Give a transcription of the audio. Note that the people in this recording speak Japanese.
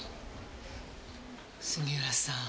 杉浦さん。